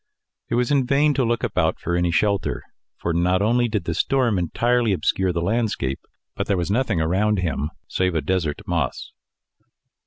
It was in vain to look about for any shelter; for not only did the storm entirely obscure the landscape, but there was nothing around him save a desert moss.